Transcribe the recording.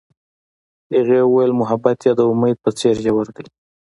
هغې وویل محبت یې د امید په څېر ژور دی.